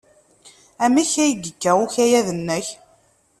Amek ay yekka ukayad-nnek?